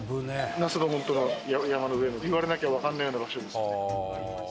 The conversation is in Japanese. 那須のホント山の上の言われなきゃわかんないような場所ですね。